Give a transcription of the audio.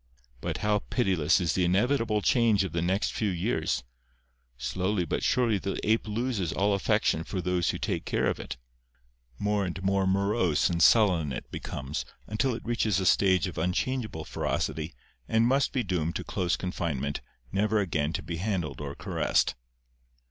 But how pitiless is the inevitable change of the next few years! ... Slowly but surely the ape loses all affection for those who take care of it. More and more morose and sullen it becomes until it reaches a stage of unchangeable ferocity and must be doomed to close confinement never again to be handled or caressed."